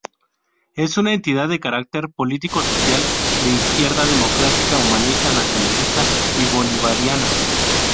Es una entidad de carácter político-social de izquierda, democrática, humanista, nacionalista y bolivariana.